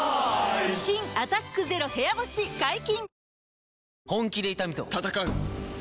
新「アタック ＺＥＲＯ 部屋干し」解禁‼